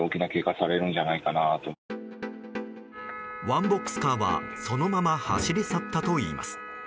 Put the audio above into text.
ワンボックスカーはそのまま走り去ったといいます。